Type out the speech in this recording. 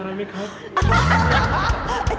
อะไรมั้ยครับ